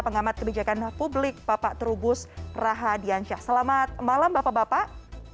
pengamat kebijakan publik bapak terubus rahadiansyah selamat malam bapak bapak